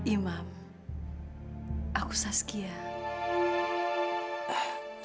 imam aku saskia